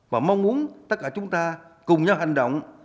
và mong muốn tất cả chúng ta cùng nhau hành động